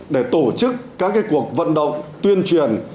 để tổ chức các cuộc vận động tuyên truyền